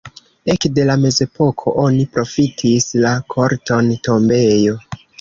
Ekde la mezepoko oni profitis la korton tombejo.